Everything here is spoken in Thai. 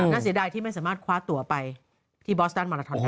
น่าเสียดายที่ไม่สามารถคว้าตัวไปที่บอสตันมาลาทอนได้